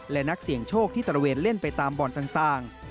และนักเสี่ยงโชคที่ตระเวนเล่นไปตามบ่อนต่าง